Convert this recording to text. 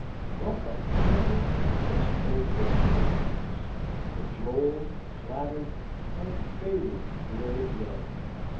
What a pampered and caressed old ocean it was; cajoled, flattered, and feted where it lay!